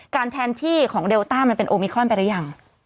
แทนที่ของเดลต้ามันเป็นโอมิคอนไปหรือยัง